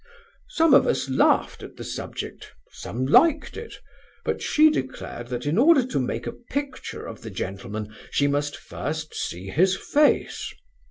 "Some of us laughed at the subject; some liked it; but she declared that, in order to make a picture of the gentleman, she must first see his face.